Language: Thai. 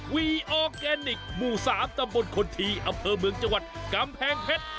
วีออร์แกนิคหมู่๓ตำบลคนทีอำเภอเมืองจังหวัดกำแพงเพชร